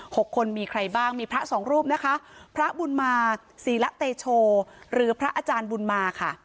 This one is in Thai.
หกคนมีใครบ้างมีพระสองรูปนะคะพระบุญมาศรีละเตโชหรือพระอาจารย์บุญมาค่ะ